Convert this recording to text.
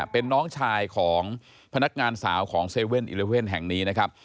เป็นน้องชายของพนักงานสาวของ๗๑๑แห่งนี้นะครับ